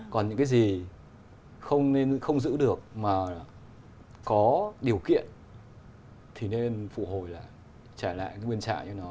còn những cái gì không giữ được mà có điều kiện thì nên phụ hồi lại trả lại nguyên trạng cho nó